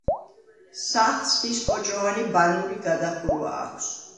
სახლს ხის კოჭოვანი ბანური გადახურვა აქვს.